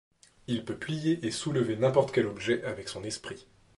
Il peut plier et soulever n'importe quel objet avec son esprit.